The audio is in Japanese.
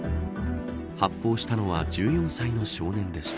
発砲したのは１４歳の少年でした。